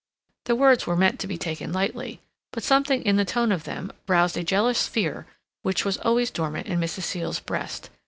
The words were meant to be taken lightly, but something in the tone of them roused a jealous fear which was always dormant in Mrs. Seal's breast.